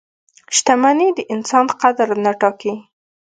• شتمني د انسان قدر نه ټاکي.